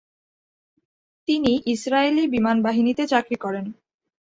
তিনি ইসরায়েলি বিমান বাহিনীতে চাকরি করেন।